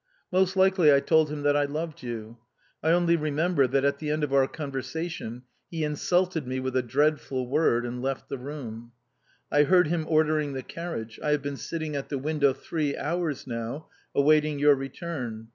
Most likely I told him that I loved you... I only remember that, at the end of our conversation, he insulted me with a dreadful word and left the room. I heard him ordering the carriage... I have been sitting at the window three hours now, awaiting your return...